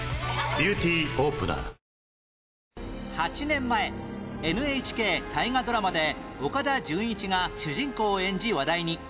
８年前 ＮＨＫ 大河ドラマで岡田准一が主人公を演じ話題に